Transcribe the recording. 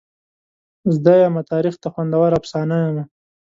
زده یمه تاریخ ته خوندوره افسانه یمه.